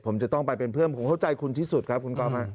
ผมจะต้องไปเป็นเพื่อนผมเข้าใจคุณที่สุดครับคุณก๊อฟ